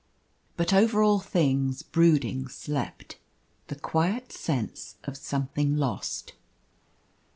But over all things brooding slept The quiet sense of something lost.